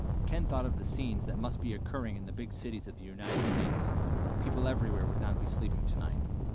Ken thought of the scenes that must be occurring in the big cities of the United States. People everywhere would not be sleeping tonight.